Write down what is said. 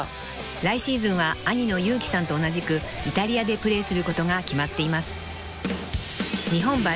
［来シーズンは兄の祐希さんと同じくイタリアでプレーすることが決まっています］